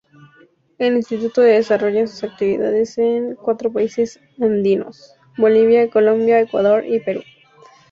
El instituto desarrolla sus actividades en cuatro países andinos: Bolivia, Colombia, Ecuador y Perú.